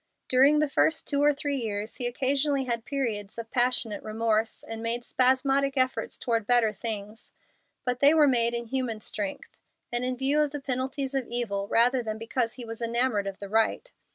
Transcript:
During the first two or three years he occasionally had periods of passionate remorse, and made spasmodic efforts toward better things. But they were made in human strength, and in view of the penalties of evil, rather than because he was enamored of the right.